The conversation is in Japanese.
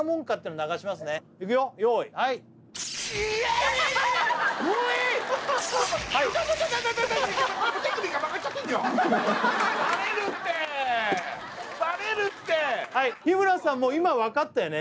はい日村さんも今分かったよね